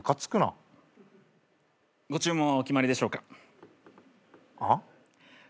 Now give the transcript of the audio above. あぁ？ご注文はお決まりでしょうか？